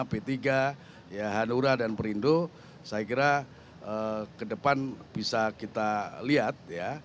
p tiga hanura dan perindo saya kira ke depan bisa kita lihat ya